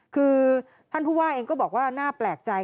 คือท่านผู้ว่าเองก็บอกว่าน่าแปลกใจ